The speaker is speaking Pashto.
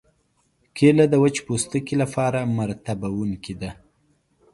کېله د وچ پوستکي لپاره مرطوبوونکې ده.